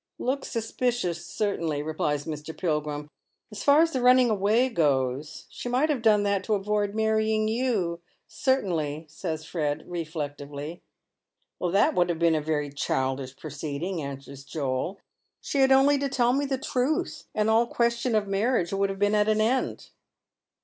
" Looks suspicious, certainly," replies Mr. Pilgrim. *' As far as the running away goes, she might have done that to avoid marrying you, ceilainly," says Fred, reflectively. " That would have been a very childish proceeding," answers Joel ;" she had only to tell me the truth, and all question of marriage would have been at an end."